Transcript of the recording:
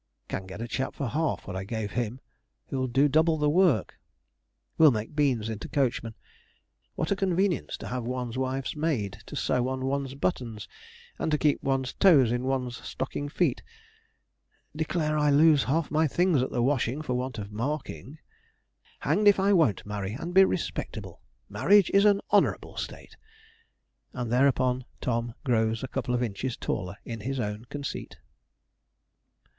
Can get a chap for half what I give him, who'll do double the work. Will make Beans into coachman. What a convenience to have one's wife's maid to sew on one's buttons, and keep one's toes in one's stocking feet! Declare I lose half my things at the washing for want of marking. Hanged if I won't marry and be respectable marriage is an honourable state!' And thereupon Tom grows a couple of inches taller in his own conceit.